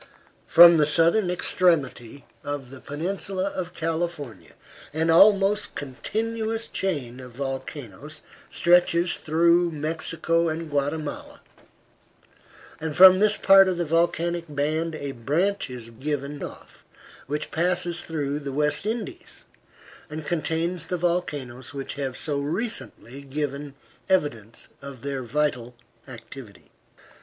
From the southern extremity of the peninsula of California an almost continuous chain of volcanoes stretches through Mexico and Guatemala, and from this part of the volcanic band a branch is given off which passes through the West Indies, and contains the volcanoes which have so recently given evidence of their vital activity.